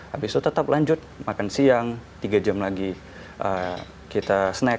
habis itu tetap lanjut makan siang tiga jam lagi kita snack